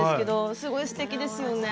うんすごいすてきです。